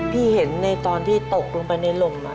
เห็นในตอนที่ตกลงไปในหล่ม